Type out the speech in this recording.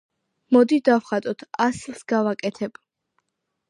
მოდი, დავხატოთ ... ასლს გავაკეთებ.